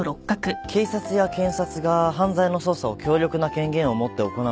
警察や検察が犯罪の捜査を強力な権限を持って行うのとは違い